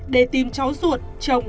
để tìm cháu ruột chồng